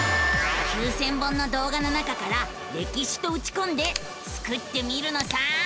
９，０００本の動画の中から「歴史」とうちこんでスクってみるのさ！